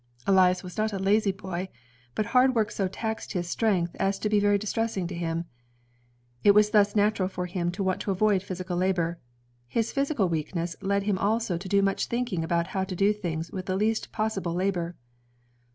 Elias was not a lazy boy, but hard work so taxed his strength as to be very distressing to him. It was thus natural for him to want to avoid physical labor. His physical weakness led him also to do much thinking about how to do things with the least possible labor.